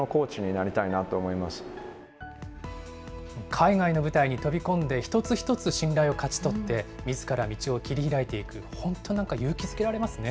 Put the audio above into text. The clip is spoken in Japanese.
海外の舞台に飛び込んで、一つ一つ信頼を勝ち取って、みずから道を切り開いていく、本当になんか勇気づけられますね。